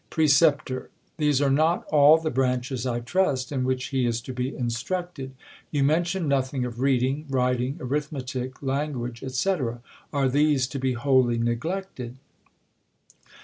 Precep. 190 . THE COLUMBIAN ORATOR. Precep, These are not all the branches, I trust, ia which he is to be instructed. You mention nothing of reading, writing, arithmetic, language, &c. Are these to be wholly neglected